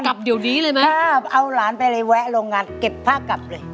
กลับเดี๋ยวนี้เลยนะเอาหลานไปเลยแวะโรงงานเก็บผ้ากลับเลย